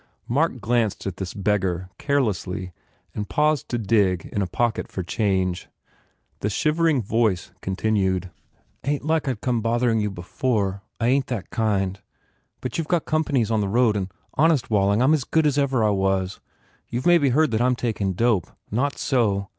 Mark glanced at this beggar carelessly and paused to dig in a pocket for change. The shivering voice continued. "... ain t like I d come bothering you before. I ain t that kind. But you ve got companies on the road and honest, Walling, I m as good as ever I was. You ve mebbe heard that I m taking dope. Not so.